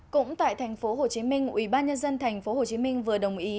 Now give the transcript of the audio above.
cũng tại thành phố hồ chí minh ủy ban nhân dân thành phố hồ chí minh vừa đồng ý